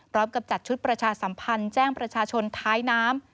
กับจัดชุดประชาสัมพันธ์แจ้งประชาชนท้ายน้ำ